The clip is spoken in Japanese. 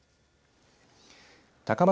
高松